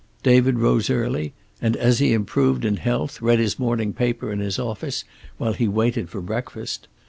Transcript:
David rose early, and as he improved in health, read his morning paper in his office while he waited for breakfast.